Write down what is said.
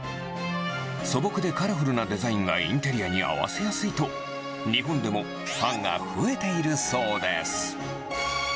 素朴でカラフルなデザインがインテリアに合わせやすいと、日本でもファンが増えているそうです。